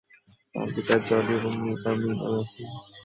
তার পিতা জলি এবং মাতা মীনা ম্যাসি।